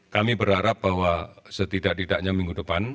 kami berharap bahwa setidak tidaknya minggu depan